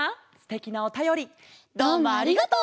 どうもありがとう！